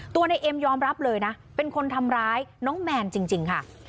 ในเอ็มยอมรับเลยนะเป็นคนทำร้ายน้องแมนจริงค่ะ